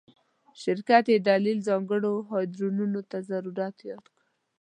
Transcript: شرکت یی دلیل ځانګړو هارډویرونو ته ضرورت یاد کړی